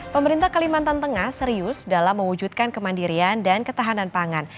pemerintah kalimantan tengah serius dalam mewujudkan kemandirian dan ketahanan pangan